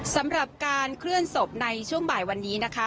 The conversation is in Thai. สำหรับการเคลื่อนศพในช่วงบ่ายวันนี้นะคะ